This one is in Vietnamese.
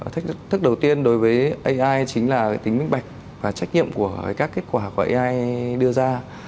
thách thức đầu tiên đối với ai chính là tính minh bạch và trách nhiệm của các kết quả của ai đưa ra